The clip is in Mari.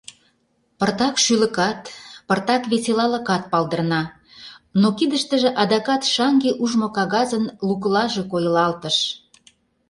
Пыртак шӱлыкат, пыртак веселалыкат палдырна, но кидыштыже адакат шаҥге ужмо кагазын луклаже койылалтыш.